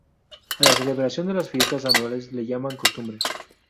A la celebración de las fiestas anuales le llaman Costumbre.